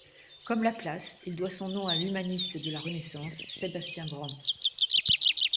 Comme la place, il doit son nom à l'humaniste de la Renaissance, Sébastien Brant.